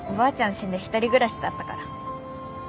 死んで一人暮らしだったから。